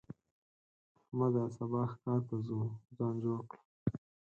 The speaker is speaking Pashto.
احمده! سبا ښکار ته ځو؛ ځان جوړ کړه.